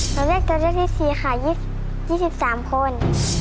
ตัวเลือกที่๔ค่ะ๒๓คน